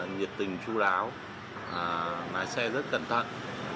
nhiệt tình chú đáo lái xe rất cẩn thận